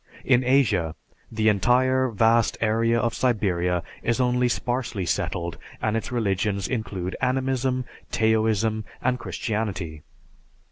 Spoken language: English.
In Asia, the entire vast area of Siberia is only sparsely settled and its religions include Animism, Taoism, and Christianity.